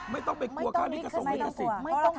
ไม่ต้องไปกลัวค่ะนี่ก็ส่งไม่กระสิทธิ์